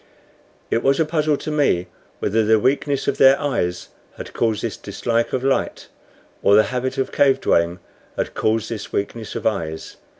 It was a puzzle to me whether the weakness of their eyes had caused this dislike of light, or the habit of cave dwelling had caused this weakness of eyes.